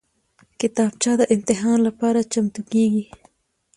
کتابچه د امتحان لپاره چمتو کېږي